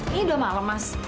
ini udah malem mas